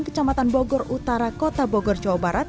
kecamatan bogor utara kota bogor jawa barat